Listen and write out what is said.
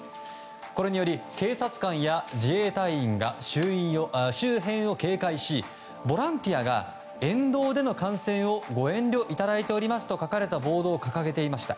これにより警察官や自衛隊員が周辺を警戒しボランティアが沿道での観戦をご遠慮いただいておりますと書かれたボードを掲げていました。